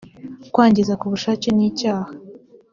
kwangiza ku bushake nicyaha